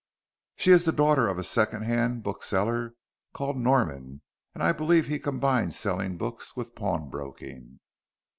"She is the daughter of a second hand bookseller called Norman, and I believe he combines selling books with pawnbroking."